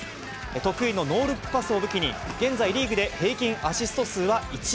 得意のノールックパスを武器に、現在リーグで平均アシスト数は１位。